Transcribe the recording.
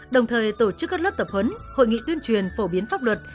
đồng thời tổ chức các lớp tập huấn hội nghị tuyên truyền phổ biến pháp luật